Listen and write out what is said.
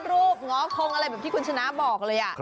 ง้อคงอะไรแบบที่คุณชนะบอกเลย